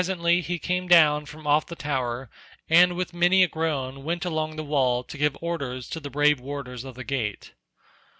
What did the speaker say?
Presently he came down from off the tower and with many a groan went along the wall to give orders to the brave warders of the gate.